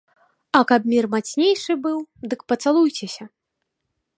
А каб мір мацнейшы быў, дык пацалуйцеся!